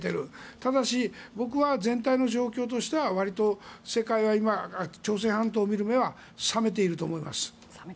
ただし僕は全体の状況としてはわりと世界が今朝鮮半島を見る目は冷めていると思います。